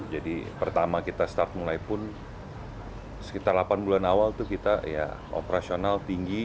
jadi pertama kita mulai pun sekitar delapan bulan awal itu kita ya operasional tinggi